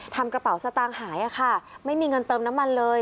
ทำกระเป๋าสตางค์หายค่ะไม่มีเงินเติมน้ำมันเลย